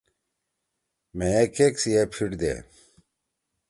ئے کیک سی اے پھیِٹ دے۔